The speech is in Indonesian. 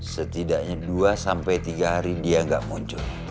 setidaknya dua sampai tiga hari dia nggak muncul